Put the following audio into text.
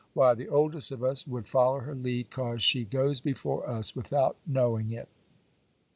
Why, the oldest of us would follow her lead, 'cause she goes before us without knowing it.